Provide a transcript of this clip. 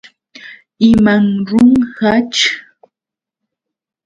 ¿Imanrunqaćh?